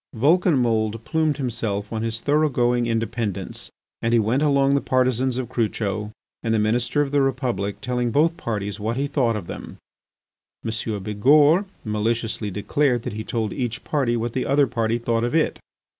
Vulcanmould plumed himself on his thoroughgoing independence and he went among the partisans of Crucho and the Minister of the Republic telling both parties what he thought of them. M. Bigourd maliciously declared that he told each party what the other party thought of it.